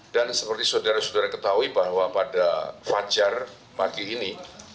dan seperti saudara saudara ketahui bahwa pada fajar pagi ini